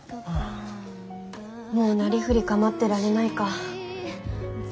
もうなりふり構ってられないか。